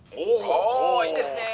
「おおいいですねえ」。